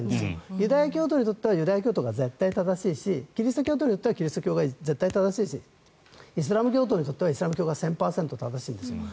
ユダヤ教徒にとってはユダヤ教が絶対正しいしキリスト教徒にとってはキリスト教が絶対正しいしイスラム教徒にとってはイスラム教が１０００％正しいんです。